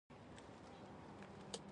سحر وختي پاڅیدل رزق زیاتوي.